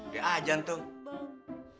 gak ada jantung